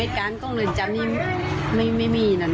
เว็บการโกงเรือนจำนี้ไม่มีนาน